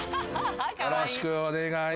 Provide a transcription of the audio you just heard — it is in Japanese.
よろしくお願いします。